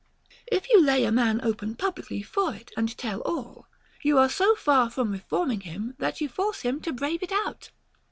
If you lay a man open publicly for it and tell all, you are so far from reforming him that you force him to brave it out.